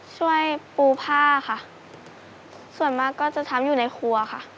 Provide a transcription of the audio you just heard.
ช่วยปูผ้าค่ะส่วนมากก็จะทำอยู่ในครัวค่ะ